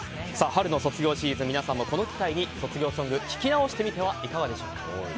春の卒業シーズン皆さんもこの機会に卒業ソング聴きなおしてみてはいかがでしょうか。